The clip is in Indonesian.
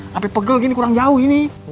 tapi pegel gini kurang jauh ini